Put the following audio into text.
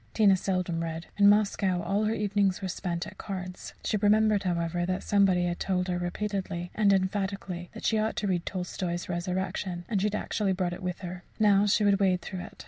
Tina seldom read in Moscow, all her evenings were spent at cards. She remembered, however, that somebody had told her repeatedly, and emphatically, that she ought to read Tolstoy's "Resurrection," and she had actually brought it with her. Now she would wade through it.